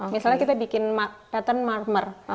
misalnya kita bikin tetton marmer